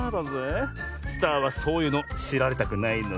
スターはそういうのしられたくないのさ！